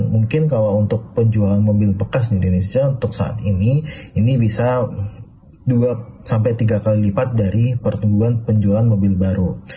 mungkin kalau untuk penjualan mobil bekas di indonesia untuk saat ini ini bisa dua tiga kali lipat dari pertumbuhan penjualan mobil baru